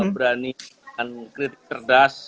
berani kritis kerdas